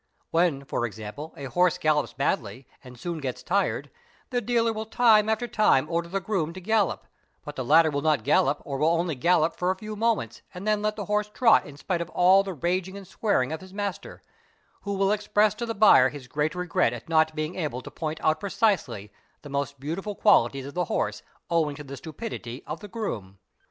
When for example a horse gallops badly and soon gets tired, the dealer will time after time order the groom to gallop; but _ the latter will not gallop or will only gallop for a few moments and then let the horse trot in spite of all the raging and swearing of his master, who will express to the buyer his great regret at not being able to point ) out precisely the most beautiful qualities of the horse owing to the . stupidity of the groom.